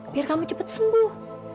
biar kamu cepat sembuh